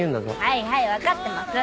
はいはい分かってます。